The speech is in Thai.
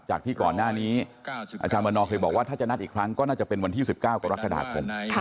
จากที่ก่อนหน้านี้อาจารย์วันนอเคยบอกว่าถ้าจะนัดอีกครั้งก็น่าจะเป็นวันที่๑๙กรกฎาคม